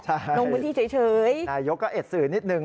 ใช่นมพิธีเฉยนะฮะค่ะนายกก็เอ็ดสื่อนิดหนึ่ง